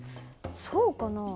そうかなあ。